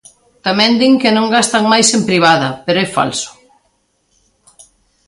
Tamén din que non gastan máis en privada, pero é falso.